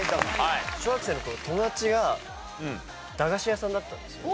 小学生の頃友達が駄菓子屋さんだったんですよ。